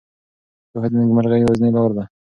پوهه د نېکمرغۍ یوازینۍ لاره ده.